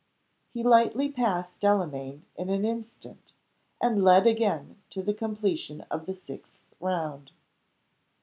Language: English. He lightly passed Delamayn in an instant; and led again to the completion of the sixth round.